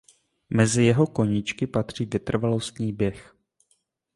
Mezi jeho koníčky patří vytrvalostní běh.